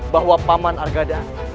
bahwa paman argadana